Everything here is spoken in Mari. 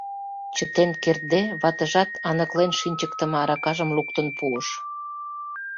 Чытен кертде, ватыжат аныклен шинчыктыме аракажым луктын пуа